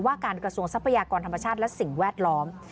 การกระทรวงทรัพยากรธรรมชาติและสิ่งแวดล้อม